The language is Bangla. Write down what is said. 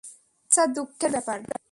আচ্ছা, দুঃখের ব্যাপার।